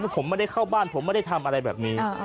ผมไม่ได้เข้าบ้านผมไม่ได้ทำอะไรแบบนี้